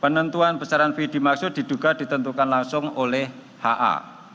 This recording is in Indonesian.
penentuan pesaran vd maksud diduga ditentukan langsung oleh ha